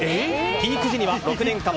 ピーク時には６年間